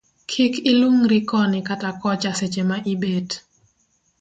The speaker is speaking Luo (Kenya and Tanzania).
Kik ilung'ri koni kata kocha seche ma ibet